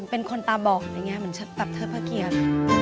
เป็นคนตาบอกอย่างงี้เหมือนตัดเทอดภเกียรติ